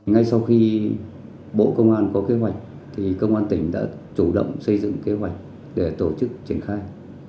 ngay sau khi bộ công an có kế hoạch công an tỉnh đã chủ động xây dựng kế hoạch để tổ chức triển khai